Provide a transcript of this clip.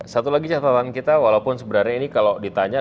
satu lagi catatan kita walaupun sebenarnya ini kalau ditanya